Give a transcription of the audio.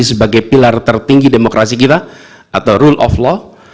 sebagai pilar tertinggi demokrasi kita atau rule of law